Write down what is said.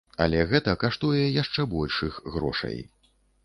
Але гэта каштуе яшчэ большых грошай.